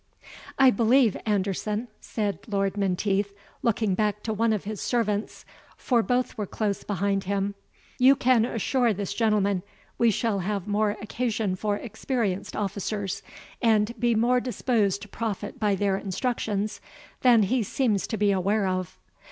'" "I believe, Anderson," said Lord Menteith, looking back to one of his servants, for both were close behind him, "you can assure this gentleman, we shall have more occasion for experienced officers, and be more disposed to profit by their instructions, than he seems to be aware of."